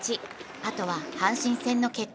あとは阪神戦の結果